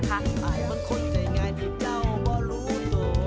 มันควรใจง่ายที่เจ้าว่ารู้ตัว